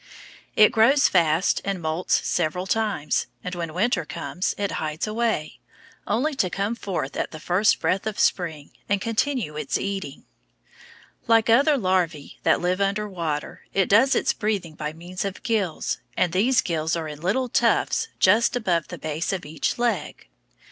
It grows fast and moults several times, and when winter comes it hides away, only to come forth at the first breath of spring and continue its eating. Like other larvæ that live under water, it does its breathing by means of gills, and these gills are in little tufts just above the base of each leg.